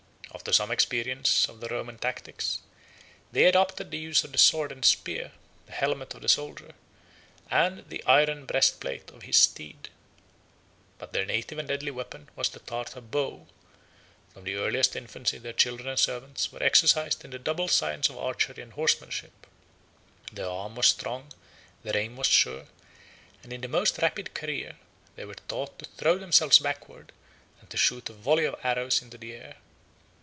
After some experience of the Roman tactics, they adopted the use of the sword and spear, the helmet of the soldier, and the iron breastplate of his steed: but their native and deadly weapon was the Tartar bow: from the earliest infancy their children and servants were exercised in the double science of archery and horsemanship; their arm was strong; their aim was sure; and in the most rapid career, they were taught to throw themselves backwards, and to shoot a volley of arrows into the air.